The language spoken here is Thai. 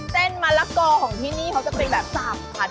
เซ้นมะละโกของที่นี่เค้าจะเป็นแบบสามทุกคน